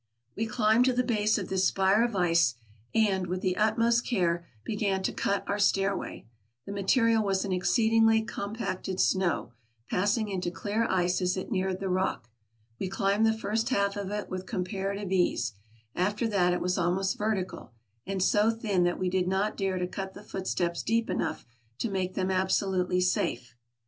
We climbed to the base of this spire of ice, and, with the utmost care, began to cut our stairway. The material was an exceedingly compacted snow, passing into clear ice as it neared the rock. We climbed the first half of it with com parative ease ; after that it was almost vertical, and so thin that we did not dare to cut the footsteps deep enough to make them absolutely safe.